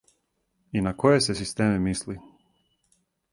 И на које се системе мисли?